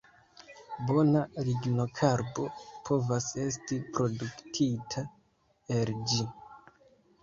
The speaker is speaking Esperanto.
Bona lignokarbo povas esti produktita el ĝi.